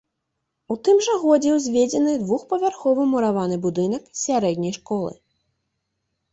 У тым жа годзе ўзведзены двухпавярховы мураваны будынак сярэдняй школы.